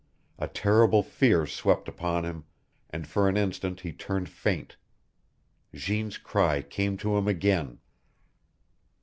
A terrible fear swept upon him, and for an instant he turned faint. Jeanne's cry came to him again.